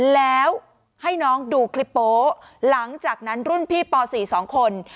แล้วให้น้องดูคลิปโป๊หลังจากนั้นรุ่นพี่ป๔๒คน